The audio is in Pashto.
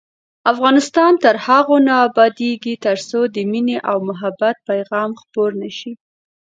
افغانستان تر هغو نه ابادیږي، ترڅو د مینې او محبت پیغام خپور نشي.